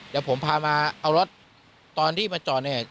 เดี๋ยวผมพามาเอารถตอนที่มาจอดเนี่ย